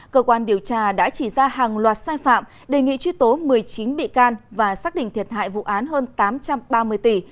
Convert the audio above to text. cơ quan điều tra đã chỉ ra hàng loạt sai phạm đề nghị truy tố một mươi chín bị can và xác định thiệt hại vụ án hơn tám trăm ba mươi tỷ